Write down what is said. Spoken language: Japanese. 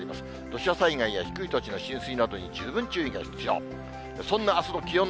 土砂災害や低い土地の浸水などに十分注意が必要。